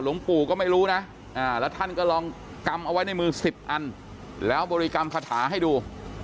หลวงปู่ก็ไม่รู้นะแล้วท่านก็ลองกำเอาไว้ในมือ๑๐อันแล้วบริกรรมคาถาให้ดู